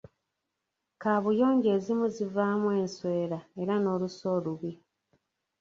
Kabuyonjo ezimu zivaamu ensowera era n‘olusu olubi.